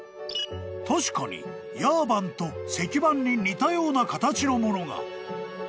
［確かに屋判と石板に似たような形のものが］